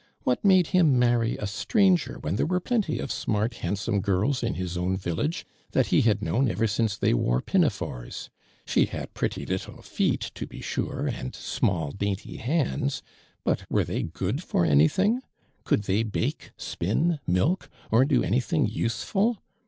What made liim marry a stranger when there were plenty of smart handsome girls in his own village that he had known ever since they wore pinafores ? She had pretty little feet to be sure and small dainty hands, l)ut were they gootl for anything ? Could they bake, spin, milk, or do anything use ful